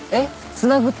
つなぐって？